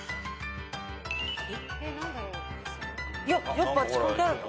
やっぱ関係ある。